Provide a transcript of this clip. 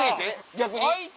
逆に？